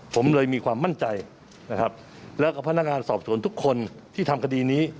ผมเลยมีความมั่นใจนะครับแล้วก็พนักงานสอบสวนทุกคนที่ทำคดีนี้